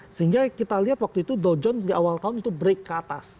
sehingga kita lihat waktu itu dow john di awal tahun itu break ke atas